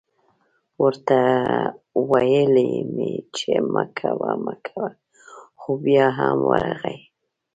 ورته ویل مې چې مه کوه مه کوه خو بیا هم ورغی